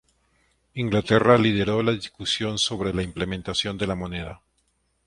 Inglaterra lideró la discusión sobre la implementación de la moneda.